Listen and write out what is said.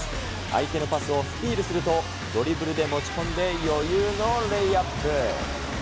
相手のパスをスティールすると、ドリブルで持ち込んで余裕のレイアップ。